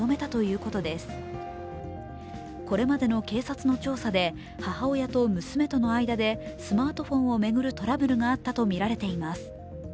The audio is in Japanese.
これまでの警察の調査で母親と娘との間でスマートフォンを巡るトラブルがあったとみられています。